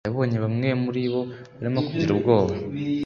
yabonye bamwe muri bo barimo kugira ubwoba